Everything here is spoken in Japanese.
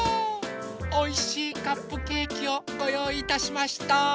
おいしいカップケーキをごよういいたしました。